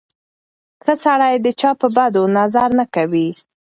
ښه سړی د چا په بدو نظر نه کوي.